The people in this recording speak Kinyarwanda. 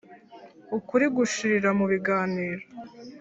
Ukuri gushirira mu biganiro.